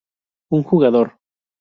Un jugador.